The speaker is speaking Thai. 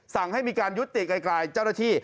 สั่งให้มีการยุติไกลเจ้าหน้าที่